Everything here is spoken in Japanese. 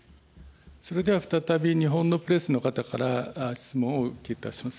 それでは再び日本のプレスの方から質問をお受けいたします。